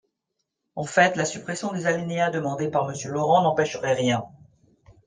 En fait, la suppression des alinéas demandée par Monsieur Laurent n’empêcherait rien.